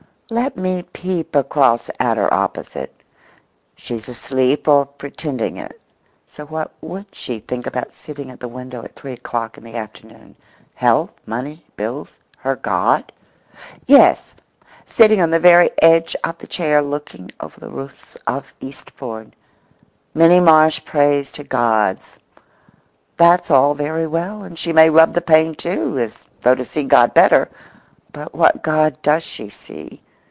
(Let me peep across at her opposite; she's asleep or pretending it; so what would she think about sitting at the window at three o'clock in the afternoon? Health, money, bills, her God?) Yes, sitting on the very edge of the chair looking over the roofs of Eastbourne, Minnie Marsh prays to Gods. That's all very well; and she may rub the pane too, as though to see God better; but what God does she see?